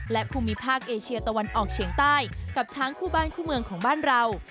และภูมิภาคเอเชียตะวันออกเฉียงใต้กับช้างคู่บ้านคู่เมืองของบ้านเรา